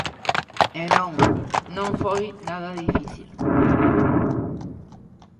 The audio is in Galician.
E non, non foi nada difícil.